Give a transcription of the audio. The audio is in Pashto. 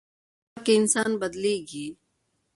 سفر کې انسان بدلېږي.